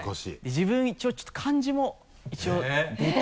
自分一応ちょっと漢字も一応できる。